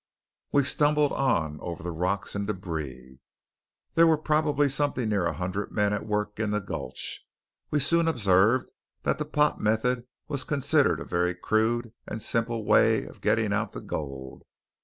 We stumbled on over the rocks and débris. There were probably something near a hundred men at work in the gulch. We soon observed that the pot method was considered a very crude and simple way of getting out the gold.